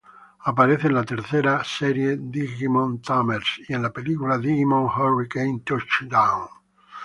Aparece en la tercera serie Digimon Tamers y en la película “Digimon Hurricane Touchdown!!